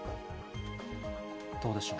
どうでしょう。